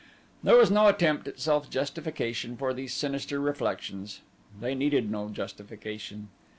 There was no attempt at self justification for these sinister reflections they needed no justification.